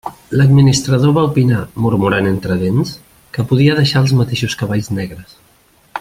L'administrador va opinar, murmurant entre dents, que podia deixar els mateixos cavalls negres.